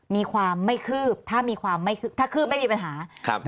มีความไม่คืบถ้ามีความไม่ถ้าคืบไม่มีปัญหา